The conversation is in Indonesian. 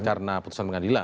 karena putusan pengadilan